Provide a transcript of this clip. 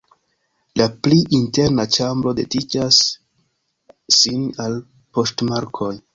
La pli interna ĉambro dediĉas sin al poŝtmarkoj.